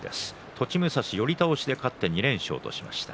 栃武蔵、寄り倒しで勝って２連勝としました。